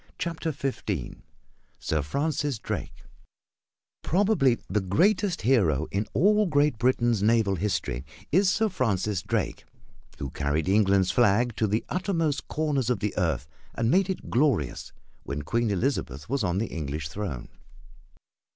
CHAPTER XV SIR FRANCIS DRAKE Probably the greatest hero in all Great Britain's naval history is Sir Francis Drake, who carried England's flag to the uttermost corners of the earth and made it glorious when Queen Elizabeth was on the English throne.